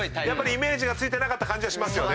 やっぱりイメージがついてなかった感じはします。